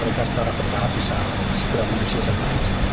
mereka secara pertama bisa segera berusaha